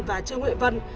và trương huệ vân